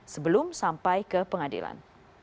sebelum sampai ke pengadilan